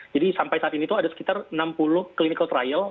jadi sampai saat ini itu ada sekitar enam puluh clinical trial